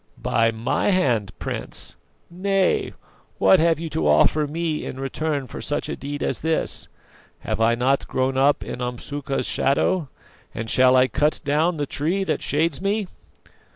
"By my hand, Prince! Nay; what have you to offer me in return for such a deed as this? Have I not grown up in Umsuka's shadow, and shall I cut down the tree that shades me?"